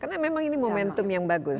karena memang ini momentum yang bagus